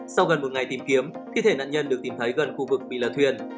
sau gần một ngày tìm kiếm thi thể nạn nhân được tìm thấy gần khu vực bị lật thuyền